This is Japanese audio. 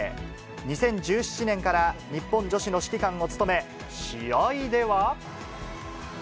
２０１７年から日本女子の指揮官を務め、試合では。